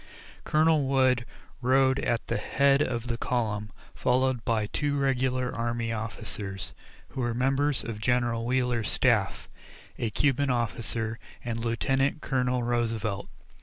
Colonel Wood rode at the head of the column, followed by two regular army officers who were members of General Wheeler's staff, a Cuban officer, and Lieutenant Colonel Roosevelt.